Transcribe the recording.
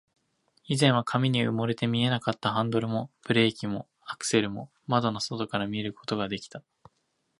以前は紙に埋もれて見えなかったハンドルも、ブレーキも、アクセルも、窓の外から見ることができた